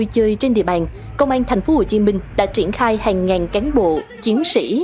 nơi chơi trên địa bàn công an tp hcm đã triển khai hàng ngàn cán bộ chiến sĩ